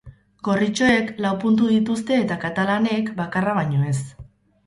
Gorritxoek lau puntu dituzte eta katalanek bakarra baino ez.